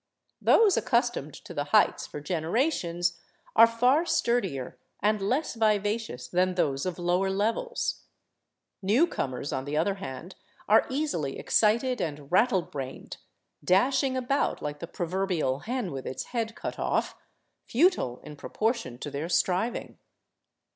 Those accustomed to the heights for generations are far sturdier and less vivacious than those of lower levels. New comers, on the other hand, are easily excited and rattle brained, dash ing about like the proverbial " hen with its head cut off," futile in proportion to their striving.